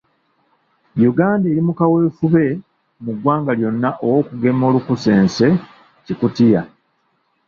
Uganda eri mu kaweefube mu ggwanga lyonna ow'okugema olunkusense-Kikutiya.